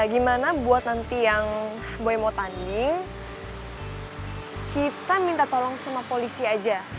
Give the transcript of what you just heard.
gimana buat nanti yang boy mau tanding kita minta tolong sama polisi aja